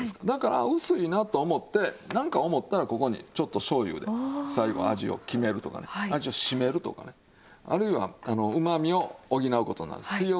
だから薄いなと思ってなんか思ったらここにちょっと醤油で最後味を決めるとかね味を締めるとかねあるいはうまみを補う事になるんです。